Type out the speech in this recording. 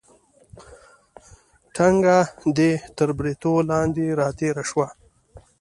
ټنګه دې تر بریتو لاندې راتېره شوه.